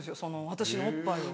私のおっぱいを。